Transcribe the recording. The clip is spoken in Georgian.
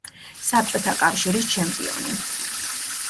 საბჭოთა კავშირის ჩემპიონი.